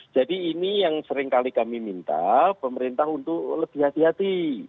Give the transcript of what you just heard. jadi ini yang sering kali kami minta pemerintah untuk lebih hati hati